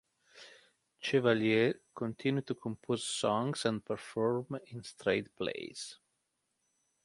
Chevalier continued to compose songs and perform in straight plays.